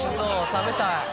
「食べたい